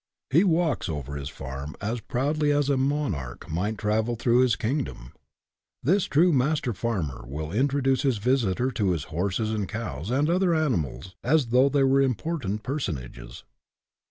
He walks over his farm as proudly as a monarch might travel through his kingdom. This true mas ter farmer will introduce his visitor to his SPIRIT IN WHICH YOU WORK 83 horses and cows and other animals as though they were important personages.